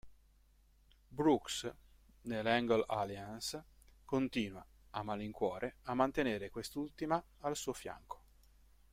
Brooks nell'Angle Alliance continua, a malincuore, a mantenere quest'ultima al suo fianco.